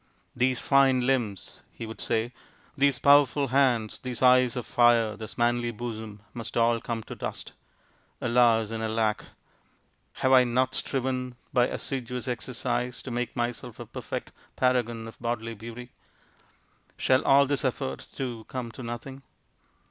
" These fine limbs," he would say, " these powerful hands, these eyes of fire, this manly bosom must all come to dust ! Alas and alack ! Have I not striven by assiduous exercise to make myself a perfect paragon of bodily beauty ! Shall all this effort, too, come to nothing